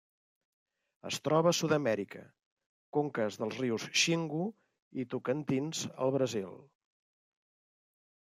Es troba a Sud-amèrica: conques dels rius Xingu i Tocantins al Brasil.